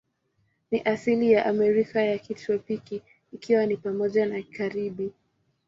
Ni asili ya Amerika ya kitropiki, ikiwa ni pamoja na Karibi.